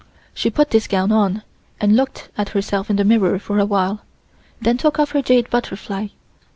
She put this gown on and looked at herself in the mirror for a while, then took off her jade butterfly.